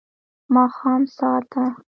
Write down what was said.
ماښام ساه ته